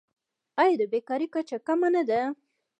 آیا د بیکارۍ کچه کمه نه ده؟